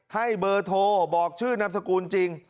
ให้เบอร์โทรบอกชื่อนามสกุลจริง